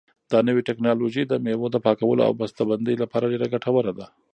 دا نوې ټیکنالوژي د مېوو د پاکولو او بسته بندۍ لپاره ډېره ګټوره ده.